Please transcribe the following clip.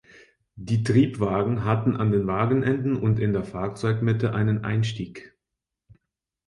Die Triebwagen hatten an den Wagenenden und in der Fahrzeugmitte einen Einstieg.